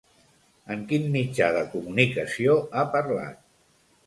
En quin mitjà de comunicació ha parlat?